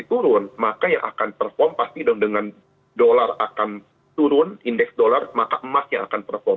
turun maka yang akan perform pasti dong dengan dolar akan turun indeks dolar maka emas yang akan perform